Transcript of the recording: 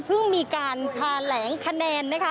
เพิ่งมีการทาแหลงคะแนน